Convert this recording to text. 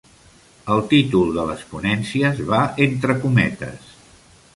El títol de les ponències va entre cometes.